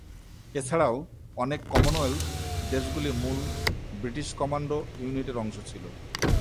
এছাড়াও, অনেক কমনওয়েলথ দেশগুলি মূল ব্রিটিশ কমান্ডো ইউনিটের অংশ ছিল।